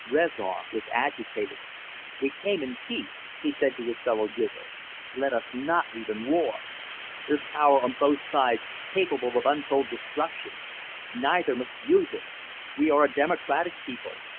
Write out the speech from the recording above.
Rezar was agitated. "We came in peace," he said to his fellow Gizl. "Let us not leave in war. There's power on both sides, capable of untold destruction. Neither must use it. We are a democratic people.